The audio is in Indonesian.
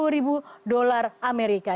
delapan puluh ribu dolar amerika